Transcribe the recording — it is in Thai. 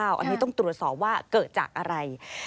อันนี้ต้องตรวจสอบว่าเกิดจากอะไร